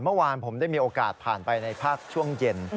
เมื่อวานผมได้มีโอกาสผ่านไปในภาคช่วงเย็น